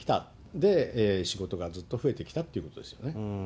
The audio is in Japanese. で、仕事がずっと増えてきたということですよね。